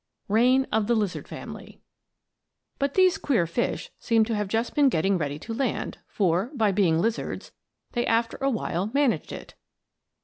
REIGN OF THE LIZARD FAMILY But these queer fish seem to have just been getting ready to land; for, by being lizards, they after a while managed it.